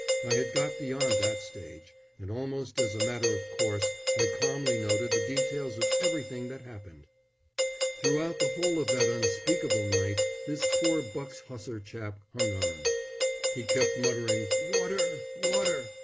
I had got beyond that stage, and almost as a matter of course I calmly noted the details of everything that happened. Throughout the whole of that unspeakable night this poor Bucks Hussar chap hung on. He kept muttering, "Water! Water!"